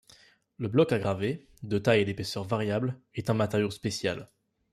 Le bloc à graver, de taille et d'épaisseur variable, est un matériau spécial.